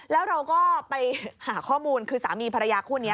แล้วเราก็ไปหาข้อมูลคือสามีภรรยาคู่นี้